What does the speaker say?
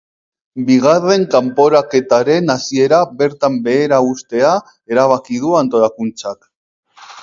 Bigarren kanporaketaren hasiera bertan behera uztea erabaki du antolakuntzak.